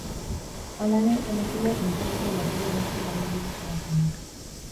Hala ere, emakumeak kontuan zuen material asko galdu duela salatu du.